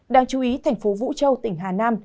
đáng chú ý thành phố vũ châu tỉnh hà nam